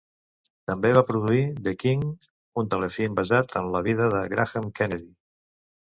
També va produir "The King", un telefilm basat en la vida de Graham Kennedy.